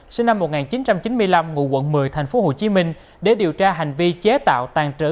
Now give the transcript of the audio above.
sinh năm một nghìn chín trăm chín mươi năm ngụ quận một mươi thành phố hồ chí minh để điều tra hành vi chế tạo tàn trữ